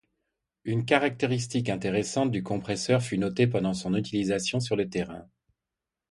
Une caractéristique intéressante du compresseur fut notée pendant son utilisation sur le terrain.